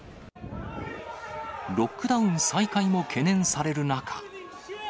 ロックダウン再開も懸念される中。